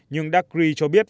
nhưng dakri cho biết